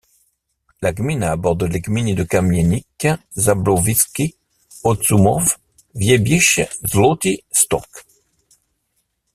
La gmina borde les gminy de Kamieniec Ząbkowicki, Otmuchów, Ziębice et Złoty Stok.